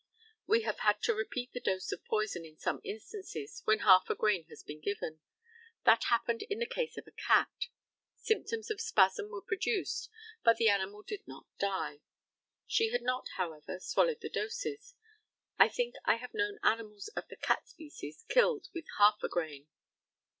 We have had to repeat the dose of poison in some instances when half a grain has been given. That happened in the case of a cat. Symptoms of spasm were produced, but the animal did not die. She had not, however, swallowed the doses. I think I have known animals of the cat species killed with half a grain.